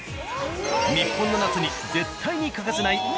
日本の夏に絶対に欠かせないあの夏グルメ。